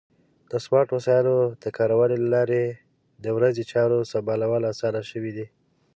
د سمارټ وسایلو د کارونې له لارې د ورځې چارو سمبالول اسان شوي دي.